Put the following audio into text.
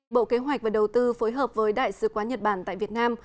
bộ kế hoạch và đầu tư phối hợp với đại sứ quán nhật bản tại việt nam